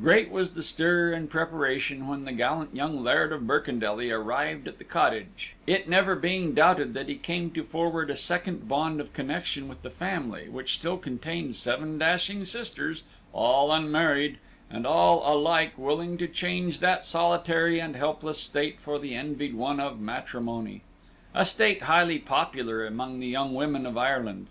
Great was the stir and preparation when the gallant young Laird of Birkendelly arrived at the cottage, it never being doubted that he came to forward a second bond of connection with the family, which still contained seven dashing sisters, all unmarried, and all alike willing to change that solitary and helpless state for the envied one of matrimony a state highly popular among the young women of Ireland.